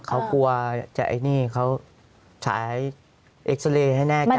เขากลัวจะใช้เอ็กซ์เรย์ให้แน่ใจว่า